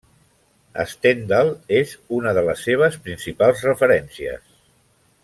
Stendhal és una de les seves principals referències.